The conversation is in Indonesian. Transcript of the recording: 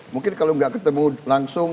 mungkin kalau nggak ketemu langsung